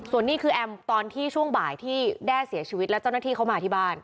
ส่วนนี้คือแอมตอนที่ช่วงบ่ายที่แด้เสียชีวิตแล้วเจ้าหน้าที่เขามาที่บ้าน